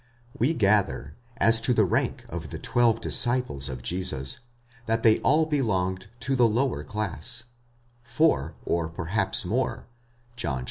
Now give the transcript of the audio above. We gather, as to the rank of the twelve disciples of Jesus, that they alk belonged to the lower class: four, or perhaps more (John xxi.